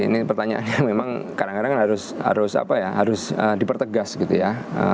ini pertanyaannya memang kadang kadang harus dipertegas gitu ya